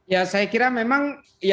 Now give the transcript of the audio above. ya saya kira memang